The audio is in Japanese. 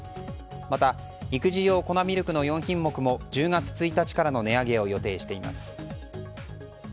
また育児用粉ミルクの４品目も１０月１日からの値上げを予定しています。